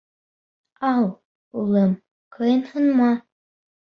— Ал, улым, ҡыйынһынма.